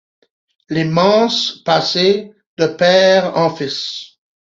Les manses passaient de père en fils.